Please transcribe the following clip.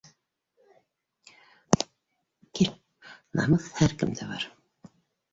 Намыҫ һәр кемдә бар